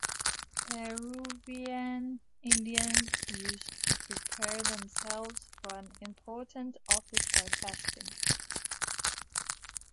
Peruvian Indians used to prepare themselves for an important office by fasting.